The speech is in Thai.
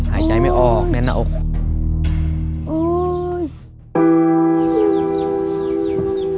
หายใจไม่ออกในอนาคต